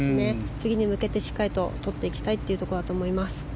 次に向けてしっかりととっていきたいというところだと思います。